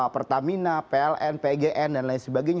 pertamina pln pgn dan lain sebagainya